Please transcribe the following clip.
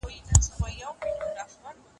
يو په ست ښه ايسي، بل په ننگ.